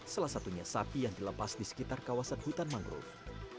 salah satunya sapi yang dilepas di sekitar kawasan hutan mangrove